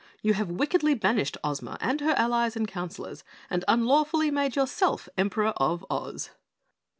You have wickedly banished Ozma and her allies and counselors and unlawfully made yourself Emperor of Oz."